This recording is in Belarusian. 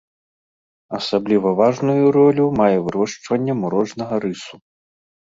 Асабліва важную ролю мае вырошчванне мурожнага рысу.